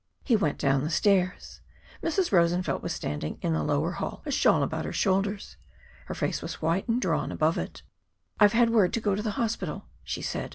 He went down the stairs. Mrs. Rosenfeld was standing in the lower hall, a shawl about her shoulders. Her face was white and drawn above it. "I've had word to go to the hospital," she said.